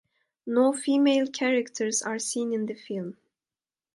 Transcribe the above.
No female characters are seen in the film.